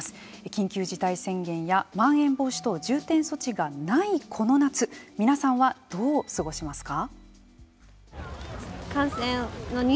緊急事態宣言やまん延防止等重点措置がないこの夏皆さんはどう過ごしますか。